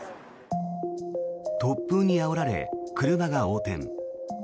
突風にあおられ、車が横転。